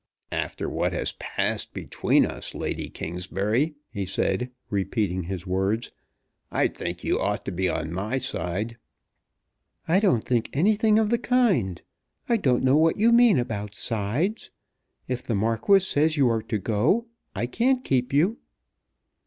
"After what has passed between us, Lady Kingsbury," he said, repeating his words, "I think you ought to be on my side." "I don't think anything of the kind. I don't know what you mean about sides. If the Marquis says you're to go, I can't keep you."